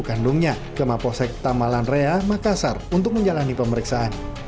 kandungnya ke maposek tamalanrea makassar untuk menjalani pemeriksaan